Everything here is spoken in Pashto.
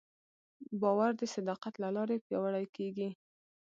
باور د صداقت له لارې پیاوړی کېږي.